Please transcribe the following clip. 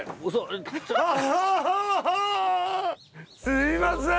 すいません